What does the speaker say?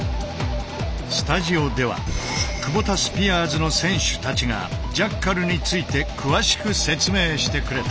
スタジオではクボタスピアーズの選手たちがジャッカルについて詳しく説明してくれた。